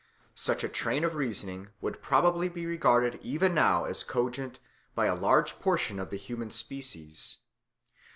Such a train of reasoning would probably be regarded even now as cogent by a large portion of the human species.